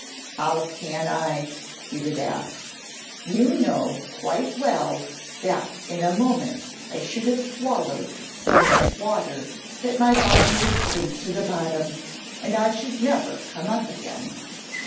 'How can I?' he would ask. 'You know quite well that in a moment I should have swallowed so much water that my body would sink to the bottom, and I should never come up again.